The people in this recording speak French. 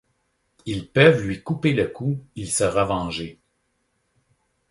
Ils peuvent lui couper le cou, il sera vengé.